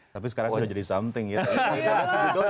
tapi sekarang sudah jadi something gitu